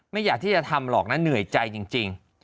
อยากที่จะทำหรอกนะเหนื่อยใจจริง